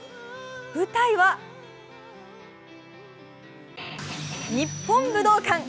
舞台は日本武道館。